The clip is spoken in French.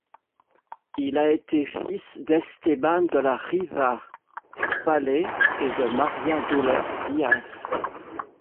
Il a été fils d'Esteban de la Riva Palais et de María Douleurs Díaz.